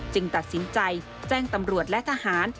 ตัดสินใจแจ้งตำรวจและทหาร